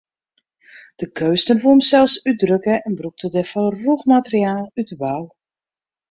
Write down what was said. De keunstner woe himsels útdrukke en brûkte dêrfoar rûch materiaal út de bou.